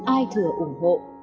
ai thừa ủng hộ